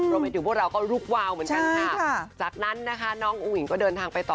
รวมไปถึงพวกเราก็ลุกวาวเหมือนกันค่ะจากนั้นนะคะน้องอุ้งอิงก็เดินทางไปต่อ